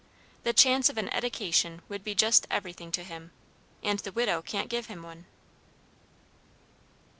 The chance of an eddication would be just everything to him, and the widow can't give him one."